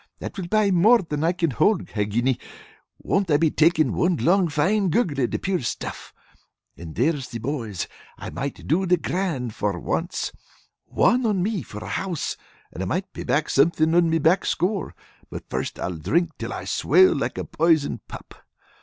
That will buy more than I can hold. Hagginy! Won't I be takin' one long fine gurgle of the pure stuff! And there's the boys! I might do the grand for once. One on me for the house! And I might pay something on my back score, but first I'll drink till I swell like a poisoned pup.